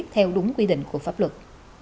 theo đúng quy định của pháp luật